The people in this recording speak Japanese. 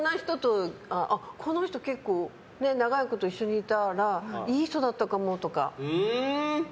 この人、結構長いこと一緒にいたらいい人だったかもとか。